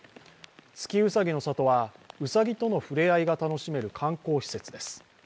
月うさぎの里はうさぎとの触れ合いが楽しめる観光施設です。